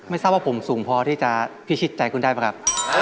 ทราบว่าผมสูงพอที่จะพิชิตใจคุณได้ป่ะครับ